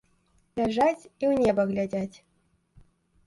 Ляжаць і ў неба глядзяць.